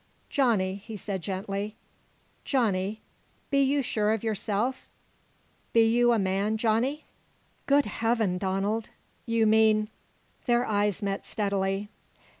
"Johnny," he said gently, "Johnny, be you sure of yourself? Be you a man, Johnny?" "Good heaven, Donald. You mean " Their eyes met steadily.